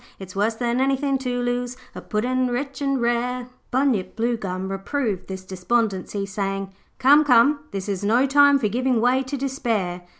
It's worse than anythin' to lose A Puddin' rich and rare.' Bunyip Bluegum reproved this despondency, saying, 'Come, come, this is no time for giving way to despair.